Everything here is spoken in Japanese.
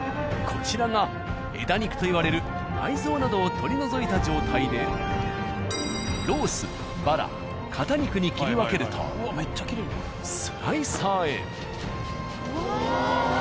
こちらが枝肉といわれる内臓などを取り除いた状態でロースバラ肩肉に切り分けるとスライサーへ。